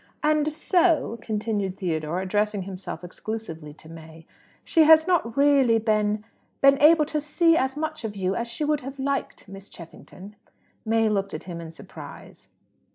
"And so," continued Theodore, addressing himself exclusively to May, "she has not really been been able to see as much of you as she would have liked, Miss Cheffington." May looked at him in surprise.